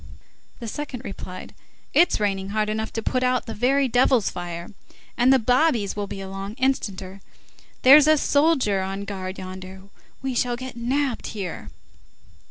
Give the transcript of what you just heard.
The second replied: "It's raining hard enough to put out the very devil's fire. And the bobbies will be along instanter. There's a soldier on guard yonder. We shall get nabbed here."